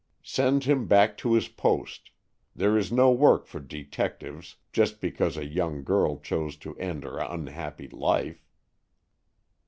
"Send him back to his post. There is no work for detectives, just because a young girl chose to end her unhappy life."